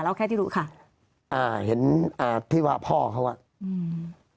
แล้วแค่ที่รู้ค่ะอ่าเห็นอ่าที่ว่าพ่อเขาอ่ะอืม